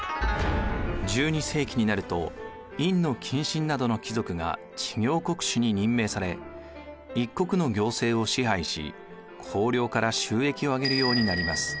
１２世紀になると院近臣などの貴族が知行国主に任命され一国の行政を支配し公領から収益をあげるようになります。